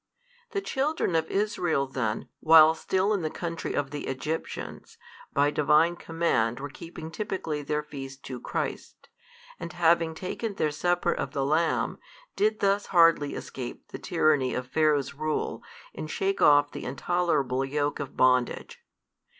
The children of Israel then, while still in the country of the Egyptians, by Divine command were keeping typically their feast to Christ, and having taken their supper of the lamb, did thus hardly escape the tyranny of Pharaoh's |364 rule and shake off the intolerable yoke of bondage.